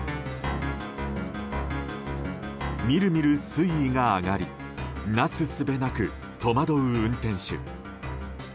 みるみる水位が上がりなすすべなく戸惑う運転手。